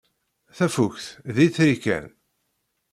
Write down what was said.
Tafukt d itri kan.